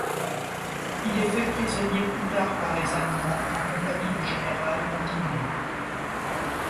Il est fait prisonnier plus tard par les allemands, en compagnie du général Montignaut.